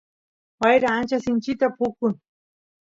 wayra ancha sinchita pukun